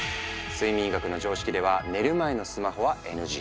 睡眠医学の常識では寝る前のスマホはＮＧ。